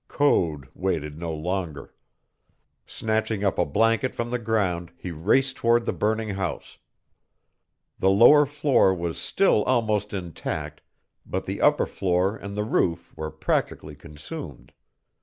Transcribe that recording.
Code waited no longer. Snatching up a blanket from the ground, he raced toward the burning house. The lower floor was still almost intact, but the upper floor and the roof were practically consumed.